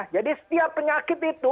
jadi setiap penyakit itu